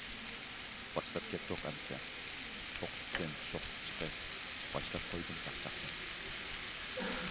باشلاپ كەتتۇق ئەمىسە: توقلۇقتىن شوخلۇق چىقىپ، باشلاپ قويدۇم چاقچاقنى.